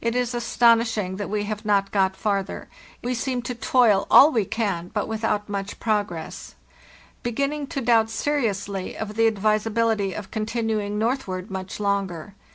APRIL 7, 1895 A HARD STRUGGLE 163 ishing that we have not got farther; we seem to toil all we can, but without much progress. Beginning to doubt seriously of the advisability of continuing northward much longer.